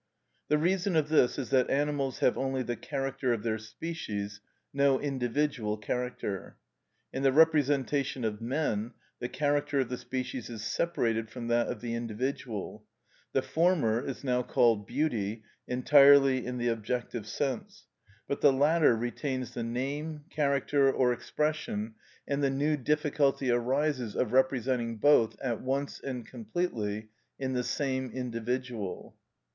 The reason of this is that animals have only the character of their species, no individual character. In the representation of men the character of the species is separated from that of the individual; the former is now called beauty (entirely in the objective sense), but the latter retains the name, character, or expression, and the new difficulty arises of representing both, at once and completely, in the same individual.